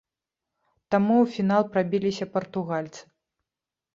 Таму ў фінал прабіліся партугальцы.